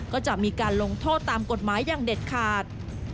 ก็จะมีการลงโทษตามกฎหมายอย่างเด็ดขาด